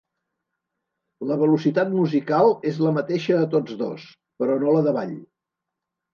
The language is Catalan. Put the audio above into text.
La velocitat musical és la mateixa a tots dos, però no la de ball.